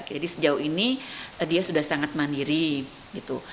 jadi sejauh ini dia sudah sangat mandiri gitu